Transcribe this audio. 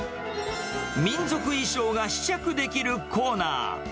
民族衣装が試着できるコーナー。